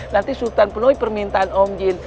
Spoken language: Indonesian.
nanti sultan penuhi permintaan om jin